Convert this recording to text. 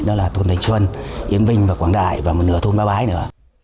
đó là thôn thành xuân yên vinh và quảng đại và một nửa thôn ba bái nữa